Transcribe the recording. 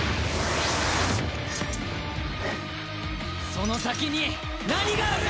その先に何がある！